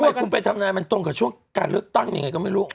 ทำไมคุณไปทำนายมันตรงกับช่วงการเลือกตั้งยังไงก็ไม่รู้